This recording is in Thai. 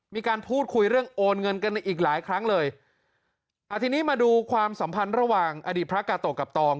มีการพูดคุยเรื่องโอนเงินกันอีกหลายครั้งเลยอ่าทีนี้มาดูความสัมพันธ์ระหว่างอดีตพระกาโตะกับตอง